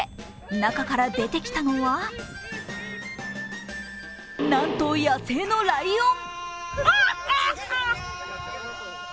中から出てきたのは、なんと野生のライオン。